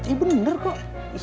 iya bener kok